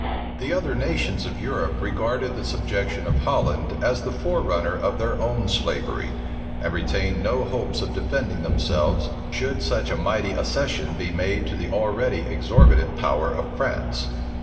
The other nations of Europe regarded the subjection of Holland as the forerunner of their own slavery, and retained no hopes of defending themselves, should such a mighty accession be made to the already exorbitant power of France.